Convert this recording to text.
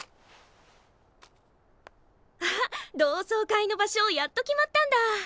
あっ同窓会の場所やっと決まったんだ。